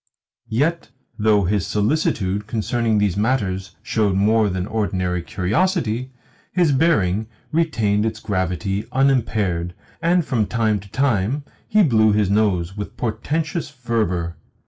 Yet, though his solicitude concerning these matters showed more than ordinary curiosity, his bearing retained its gravity unimpaired, and from time to time he blew his nose with portentous fervour.